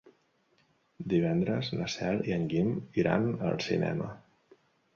Divendres na Cel i en Guim iran al cinema.